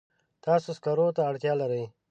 تاسو سکرو ته اړتیا لرئ.